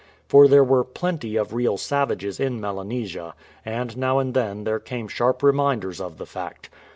For there were plenty of real savages in Melanesia, and now and then there came sharp reminders of the fact.